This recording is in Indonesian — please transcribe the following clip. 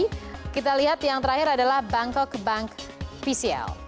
dari bca bni kita lihat yang terakhir adalah bankok bank pcl